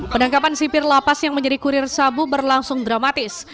penangkapan sipir lapas yang menjadi kurir sabu berlangsung dramatis